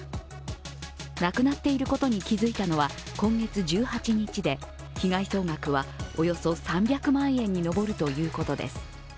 なくなっていることに気付いたのは今月１８日で被害総額はおよそ３００万円に上るということです。